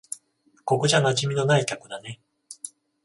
ここじゃ馴染みのない客だね。